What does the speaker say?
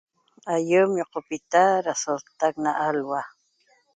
Aiem yocopita da assot na alhua